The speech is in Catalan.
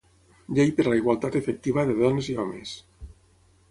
Llei per a la igualtat efectiva de dones i homes